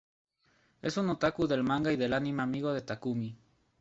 Es un otaku del manga y el anime amigo de Takumi.